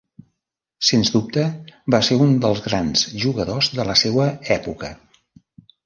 Sens dubte va ser un dels grans jugadors de la seua època.